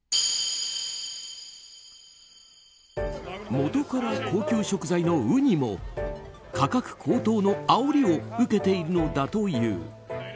元から高級食材のウニも価格高騰のあおりを受けているのだという。